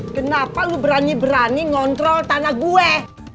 kenapa lu berani berani ngontrol tanah gue